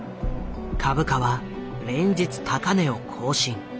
株価は連日高値を更新。